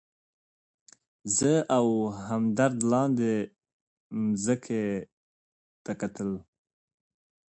زه او همدرد لاندې مځکې ته کتل.